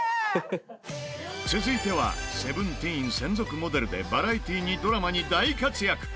続いては『Ｓｅｖｅｎｔｅｅｎ』専属モデルでバラエティーにドラマに大活躍。